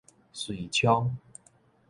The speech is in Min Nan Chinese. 遂昌